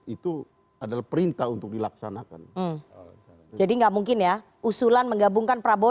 itu adalah perintah untuk dilaksanakan jadi enggak mungkin ya usulan menggabungkan prabowo